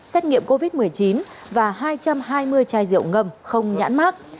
xét nghiệm covid một mươi chín và hai trăm hai mươi chai rượu ngâm không nhãn mát